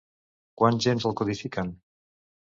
Quants gens el codifiquen?